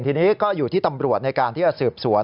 ทีนี้ก็อยู่ที่ตำรวจในการที่จะสืบสวน